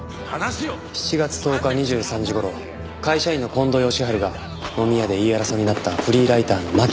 ７月１０日２３時頃会社員の近藤義治が飲み屋で言い争いになったフリーライターの巻